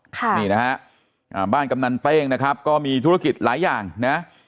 ค่ะนี่นะฮะอ่าบ้านกำนันเต้งนะครับก็มีธุรกิจหลายอย่างนะ